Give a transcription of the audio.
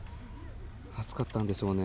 暑かったんでしょうね。